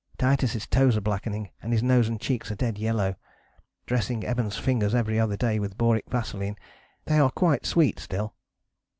Titus' toes are blackening, and his nose and cheeks are dead yellow. Dressing Evans' fingers every other day with boric vaseline: they are quite sweet still."